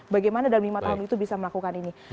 bagaimana dalam lima tahun itu bisa melakukan ini